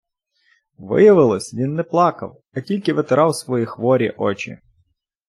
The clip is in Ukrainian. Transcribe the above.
Виявлялось - він не плакав, а тільки витирав свої хворі очі!..